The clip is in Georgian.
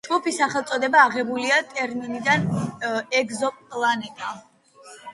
ჯგუფის სახელწოდება აღებულია ტერმინიდან „ეგზოპლანეტა“.